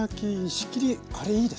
仕切りあれいいですね。